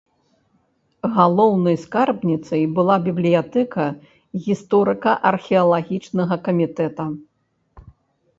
Галоўнай скарбніцай была бібліятэка гісторыка-археалагічнага камітэта.